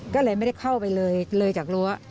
ก็เลยไม่ได้เข้าไปเลยเลยจากรั้ว